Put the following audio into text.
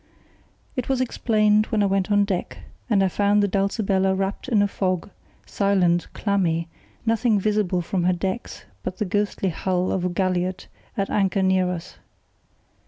It was explained when I went on deck, and I found the Dulcibella wrapped in a fog, silent, clammy, nothing visible from her decks but the ghostly hull of a galliot at anchor near us.